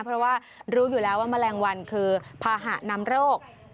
เพราะว่ารู้อยู่แล้วว่าแมลงวันคือภาหะนำโรค